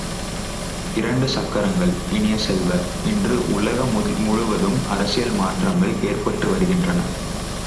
இரண்டு சக்கரங்கள் இனிய செல்வ, இன்று உலக முழுவதும் அரசியல் மாற்றங்கள் ஏற்பட்டு வருகின்றன.